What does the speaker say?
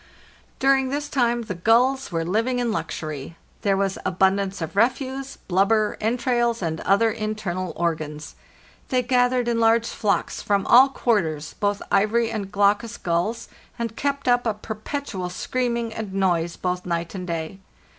During this time the gulls were living in luxury. There was abundance of refuse, blubber, entrails, and other internal organs. They gathered in large flocks from all quarters, both ivory and glaucus gulls, and kept up a perpetual screaming and noise both night and day.